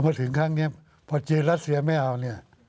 พอถึงครั้งนี้พอจีนรัสเซียไม่เอาเนี่ย